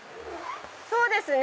そうですね。